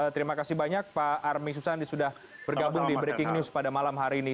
terima kasih banyak pak armi susandi sudah bergabung di breaking news pada malam hari ini